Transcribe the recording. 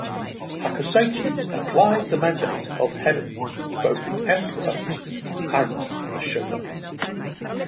Hakuseki applied the mandate of heaven to both the emperor and the shogun.